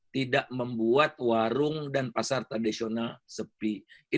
tidak membuat warung dan pasar tradisional sepi